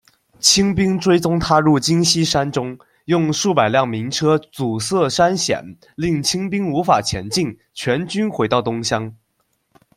清兵追踪他入金溪山中，用数百辆民车阻塞山险，令清兵无法前进，全军回到东乡。